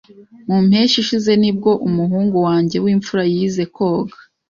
Mu mpeshyi ishize ni bwo umuhungu wanjye w'imfura yize koga.